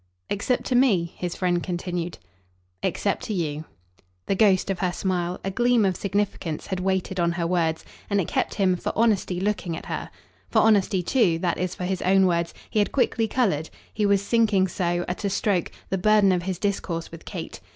"Except to ME," his friend continued. "Except to you." The ghost of her smile, a gleam of significance, had waited on her words, and it kept him, for honesty, looking at her. For honesty too that is for his own words he had quickly coloured: he was sinking so, at a stroke, the burden of his discourse with Kate.